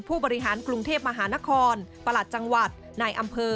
ผู้บริหารกรุงเทพมหานครประหลัดจังหวัดนายอำเภอ